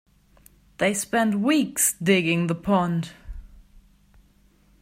They spent weeks digging the pond.